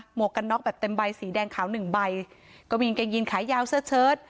วกกันน็อกแบบเต็มใบสีแดงขาวหนึ่งใบก็มีกางเกงยีนขายาวเสื้อเชิด